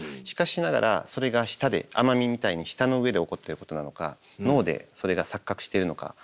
しかしながらそれが舌で甘味みたいに舌の上で起こってることなのか脳でそれが錯覚してるのか。